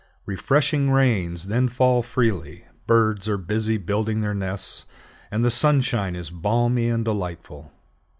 Refreshing rains then fall freely, birds are busy building their nests, and the sunshine is balmy and delightful.